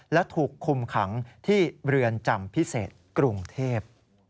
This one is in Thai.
และถูกคุมขังที่เรือนจำพิเศษกรุงเทพ